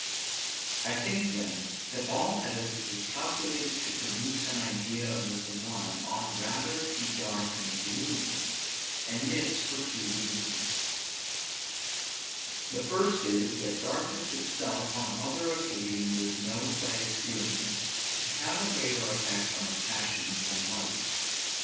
I think, then, that all edifices calculated to produce an idea of the sublime, ought rather to be dark and gloomy, and this for two reasons; the first is, that darkness itself on other occasions is known by experience to have a greater effect on the passions than light.